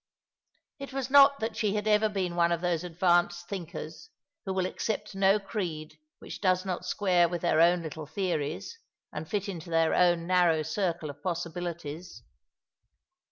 It was not that she had ever been one of those advanced thinkers who will accept no creed which does not square with their own little theories and fit in to their own narrow circle of possibilities.